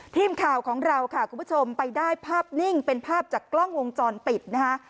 ทีมข่าวของเราค่ะคุณผู้ชมไปได้ภาพนิ่งเป็นภาพจากกล้องวงจรปิดนะคะ